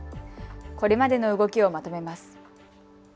これまでの動きをまとめます。